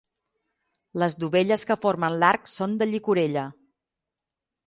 Les dovelles que formen l'arc són de llicorella.